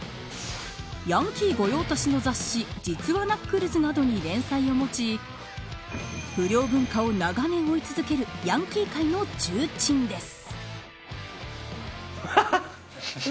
ヤンキー御用達の雑誌実話ナックルズなどに連載をもち不良文化を長年追い続けるヤンキー界の重鎮です。